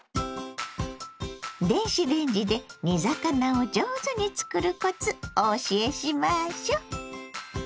電子レンジで煮魚を上手に作るコツお教えしましょう。